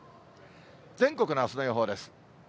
全国のあすの予報です。